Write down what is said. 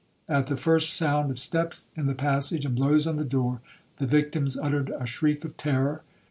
At the first sound of steps in the passage, and blows on the door, the victims uttered a shriek of terror.